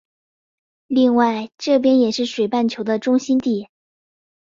另外这边也是水半球的中心地。